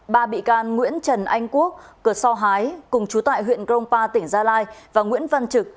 ba bị can nguyễn trần anh quốc cửa so hái cùng chú tại huyện crongpa tỉnh gia lai và nguyễn văn trực